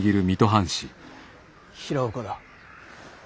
平岡だ。